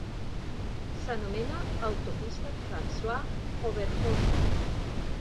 S'anomena "autopista Francois Oberholzer".